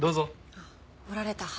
あっ折られた歯